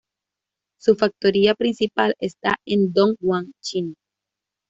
Su factoría principal está en Dong Guan, China.